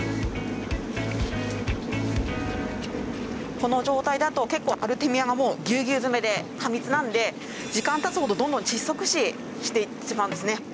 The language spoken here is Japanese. この状態だと結構アルテミアがもうぎゅうぎゅう詰めで過密なんで時間たつほどどんどん窒息死していってしまうんですね。